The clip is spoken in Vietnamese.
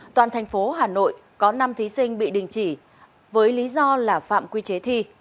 toàn thành phố hà nội có năm thí sinh bị đình chỉ với lý do là phạm quy chế thi